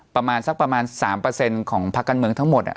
ประมาณสักประมาณ๓ของภาคการเมืองทั้งหมด